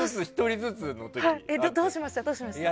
どうしました？